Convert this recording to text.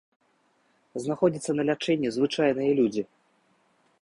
Знаходзяцца на лячэнні звычайныя людзі.